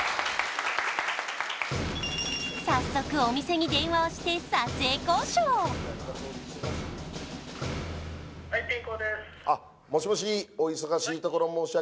早速お店に電話をして撮影交渉あっもしもし？